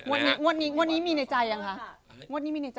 ท่านงวดนี้ท่องจะมีในใจยังคะ